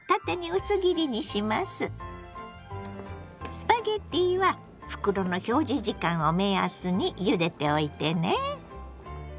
スパゲッティは袋の表示時間を目安にゆでておいてね。